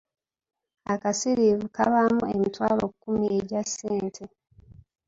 Akasiriivu kabaamu emitwalo kkumi egya ssente.